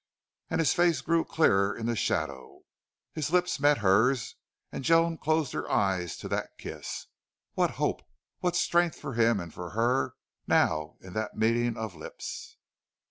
And his face grew clearer in the shadow. His lips met hers, and Joan closed her eyes to that kiss. What hope, what strength for him and for her now in that meeting of lips!